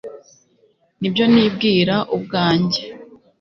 nibyo nibwira ubwanjye